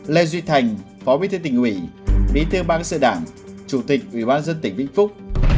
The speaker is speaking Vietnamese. lê duy thành phó bí thư tỉnh ủy bí thư ban sự đảng chủ tịch ủy ban dân tỉnh vĩnh phúc